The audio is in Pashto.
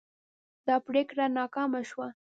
دا پریکړه ناکامه شوه.